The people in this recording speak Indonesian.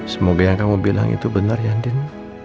semoga yang kamu bilang itu benar ya andin